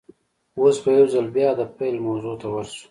اوس به يوځل بيا د پيل موضوع ته ور شو.